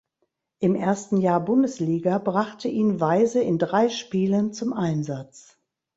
Im ersten Jahr Bundesliga brachte ihn Weise in drei Spielen zum Einsatz.